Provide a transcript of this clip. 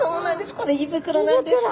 これ胃袋なんですね。